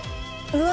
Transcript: うわ。